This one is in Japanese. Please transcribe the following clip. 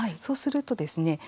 そうするとですね